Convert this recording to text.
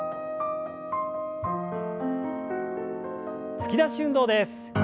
突き出し運動です。